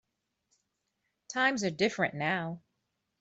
Times are different now.